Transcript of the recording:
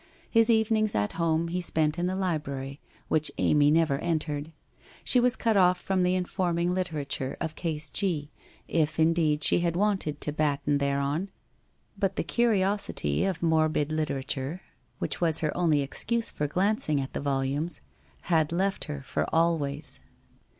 His evenings at home he spent in the library, which Amy never entered. She was cut off from the informing literature of Case G, if indeed she had wanted to batten thereon, but the curiosity of morbid literature which was her only excuse for glancing at the volumes, had left her for always.